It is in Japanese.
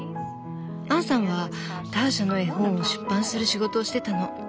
アンさんはターシャの絵本を出版する仕事をしてたの。